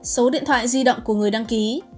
số điện thoại di động của người đăng ký